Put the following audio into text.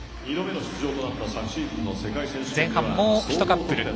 前半、もうひとカップル。